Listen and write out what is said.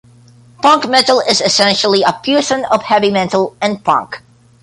Funk metal is essentially a fusion of heavy metal and funk.